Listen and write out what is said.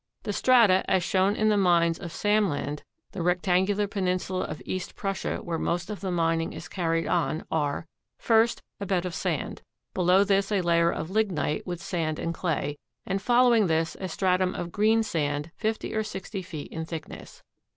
The strata as shown in the mines of Samland, the rectangular peninsula of East Prussia where most of the mining is carried on, are: First, a bed of sand; below this a layer of lignite with sand and clay, and following this a stratum of greensand, fifty or sixty feet in thickness.